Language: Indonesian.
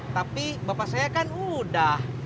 tapi bapak saya kan udah